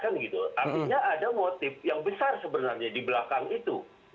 artinya ada motif yang besar sebenarnya di belakang itu